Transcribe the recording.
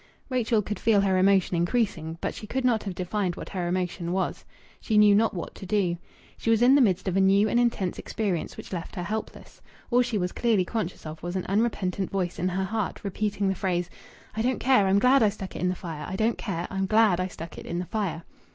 Rachel could feel her emotion increasing, but she could not have defined what her emotion was. She knew not what to do. She was in the midst of a new and intense experience, which left her helpless. All she was clearly conscious of was an unrepentant voice in her heart repeating the phrase: "I don't care! I'm glad I stuck it in the fire! I don't care! I'm glad I stuck it in the fire."